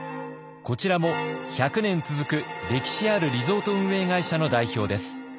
こちらも１００年続く歴史あるリゾート運営会社の代表です。